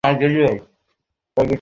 একটা অলঙ্ঘনীয় প্রতিশ্রুতি।